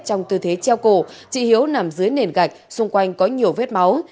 trong tư thế treo cổ chị hiếu nằm dưới nền gạch xung quanh có nhiều vết máu